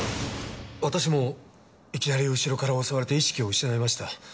私もいきなりうしろから襲われて意識を失いました。